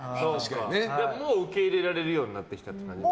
もう受け入れられるようになってきたんですか？